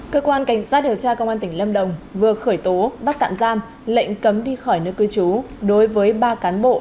cơ quan cảnh sát điều tra công an tỉnh lâm đồng vừa khởi tố bắt tạm giam lệnh cấm đi khỏi nước cư trú đối với ba cán bộ